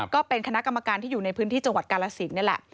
ก็เป็นคณะกรรมการที่อยู่ในพื้นที่จังหวัดกาลสินนี่แหละ